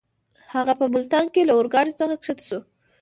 هغه په ملتان کې له اورګاډۍ څخه کښته شو.